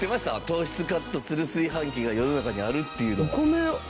糖質カットする炊飯器が世の中にあるっていうのは。